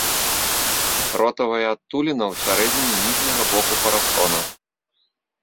Ротавая адтуліна ў сярэдзіне ніжняга боку парасона.